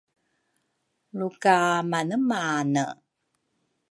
luka manemane?